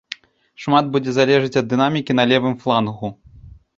Шмат будзе залежыць ад дынамікі на левым флангу.